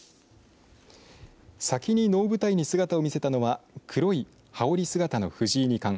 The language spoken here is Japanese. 先に能舞台に姿を見せたのは黒い羽織姿の藤井二冠。